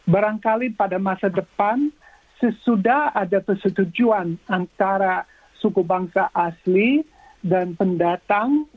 barangkali pada masa depan sesudah ada persetujuan antara suku bangsa asli dan pendatang